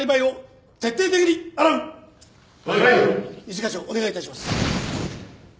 一課長お願い致します。